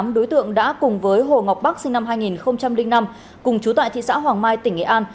tám đối tượng đã cùng với hồ ngọc bắc sinh năm hai nghìn năm cùng chú tại thị xã hoàng mai tỉnh nghệ an